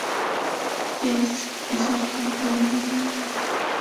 Jesse es el campeón de Hawaii.